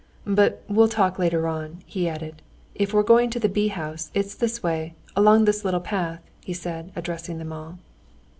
"But we'll talk later on," he added. "If we're going to the bee house, it's this way, along this little path," he said, addressing them all.